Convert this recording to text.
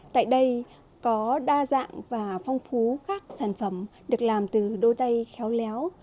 tại đây có đa dạng và phong phú các sản phẩm được làm từ đôi tay khéo léo